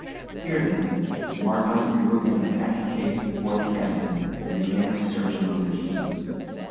Here, then, Markheim drew in a packing case before the cabinet, and began to search among the keys.